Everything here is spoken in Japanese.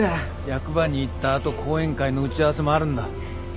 役場に行ったあと講演会の打ち合わせもあるんだ。